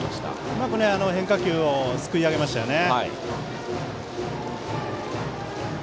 うまく変化球をすくい上げましたね。